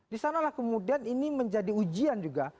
disanalah kemudian ini menjadi ujian juga